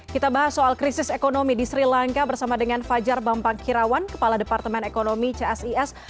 kita bahas soal krisis ekonomi di sri lanka bersama dengan fajar bambang hirawan kepala departemen ekonomi csis